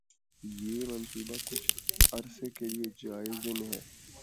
یہ منصوبہ کچھ عرصہ کے لیے جائزے میں ہے